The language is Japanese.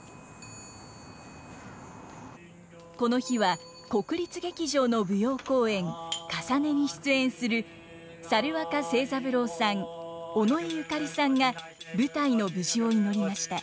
この日は国立劇場の舞踊公演「かさね」に出演する猿若清三郎さん尾上紫さんが舞台の無事を祈りました。